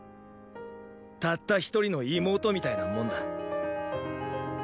たった一人の妹みたいなもんだ。